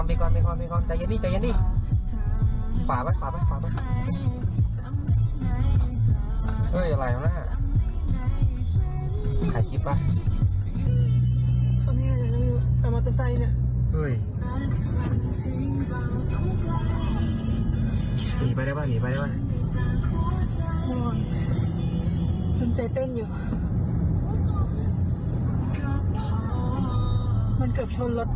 มันเกือบชนรถตู้เนี่ยวันเทียบ